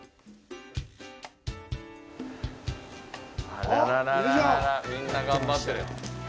あららららら、みんな頑張ってる。